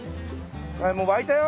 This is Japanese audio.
いもう沸いたよ！